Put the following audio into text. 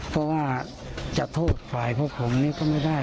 เพราะว่าจะโทษฝ่ายพวกผมนี่ก็ไม่ได้